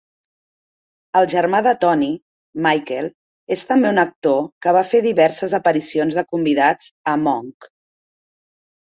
El germà de Tony, Michael, és també un actor que va fer diverses aparicions de convidats a "Monk".